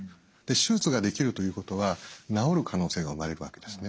手術ができるということは治る可能性が生まれるわけですね。